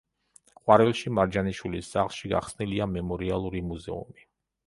ყვარელში, მარჯანიშვილის სახლში გახსნილია მემორიალური მუზეუმი.